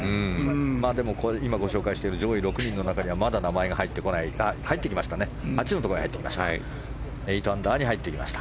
でも、今ご紹介している上位６人の中にはまだ名前が入ってこない入ってきましたね８のところに入ってきました。